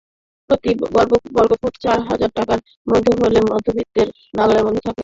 প্রতি বর্গফুট চার হাজার টাকার মধ্যে হলে মধ্যবিত্তের নাগালের মধ্যে থাকবে।